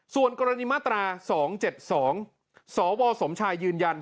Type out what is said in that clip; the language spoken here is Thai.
ส่วนกรณีมาตรา๒๗๒สวสมชายยืนยัน